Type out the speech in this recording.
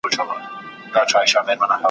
آزادي هلته نعمت وي د بلبلو `